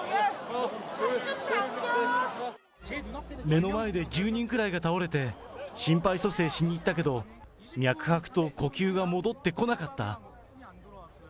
目の前で１０人くらいが倒れて、心肺蘇生しに行ったけど、脈拍と呼吸が戻ってこなかった。